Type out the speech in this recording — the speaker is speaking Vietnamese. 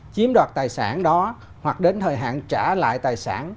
chiếm đoạt tài sản đó hoặc đến thời hạn trả lại tài sản